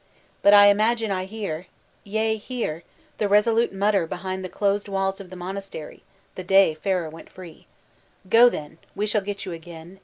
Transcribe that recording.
But I imagine I hear, yea hear, the resolute mutter behind the closed walls of the monasteries, the day Ferrer went free. ''Go, then; we shall get you again.